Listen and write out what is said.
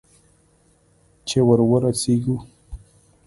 چې ور ورسېږو؟